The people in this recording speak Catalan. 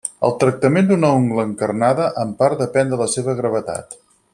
El tractament d'una ungla encarnada en part depèn de la seva gravetat.